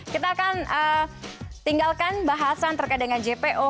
kita akan tinggalkan bahasan terkait dengan jpo